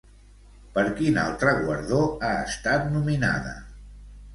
Per quin altre guardó ha estat nominada?